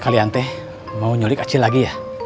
kalian teh mau nyulik acil lagi ya